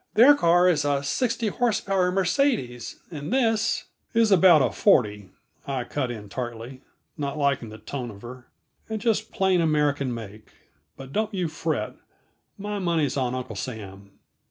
"Their car is a sixty h.p. Mercedes, and this " "Is about a forty," I cut in tartly, not liking the tone of her; "and just plain American make. But don't you fret, my money's on Uncle Sam."